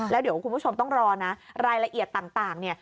แล้วเดี๋ยวคุณผู้ชมต้องรอนะรายละเอียดต่างเนี่ย